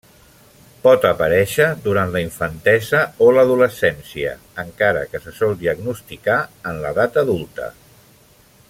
Pot aparèixer durant la infantesa o l'adolescència encara que se sol diagnosticar en l'edat adulta.